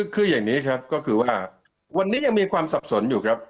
คืออย่างนี้ครับก็คือว่าวันนี้ยังมีความสับสนอยู่ครับ